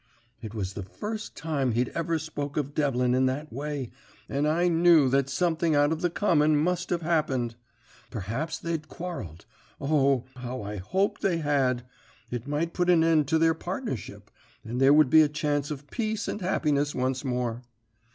"It was the first time he'd ever spoke of Devlin in that way, and I knew that something out of the common must have happened. Perhaps they'd quarrelled. O, how I hoped they had! It might put a end to their partnership, and there would be a chance of peace and happiness once more.